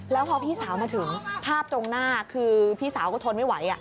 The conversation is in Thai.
แล้วพอพี่สาวมาถึงภาพตรงหน้าคือพี่สาวก็ทนไม่ไหว